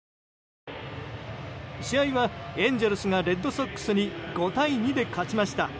試合はエンゼルスがレッドソックスに５対２で勝ちました。